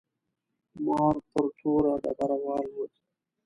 مار پر توره ډبره والوت.